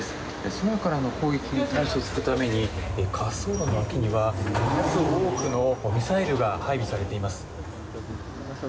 空からの攻撃に対処するために滑走路の脇には数多くのミサイルが配備されています。